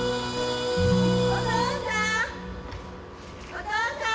お父さん！